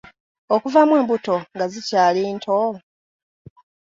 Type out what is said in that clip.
Okuvaamu embuto nga zikyali nto?